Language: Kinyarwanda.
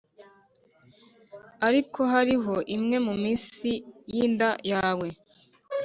ariko hariho imwe munsi yinda yawe,